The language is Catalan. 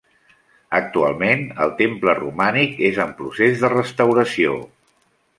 Actualment el temple romànic és en procés de restauració.